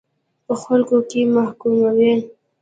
په خلکو کې محکوموي.